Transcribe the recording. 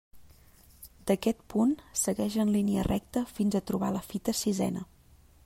D'aquest punt segueix en línia recta fins a trobar la fita sisena.